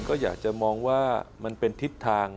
ก็อยากจะมองว่ามันเป็นทิศทาง